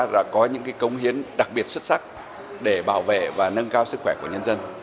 đã có những công hiến đặc biệt xuất sắc để bảo vệ và nâng cao sức khỏe của nhân dân